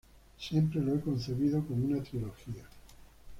Siempre he concebido como una trilogía..."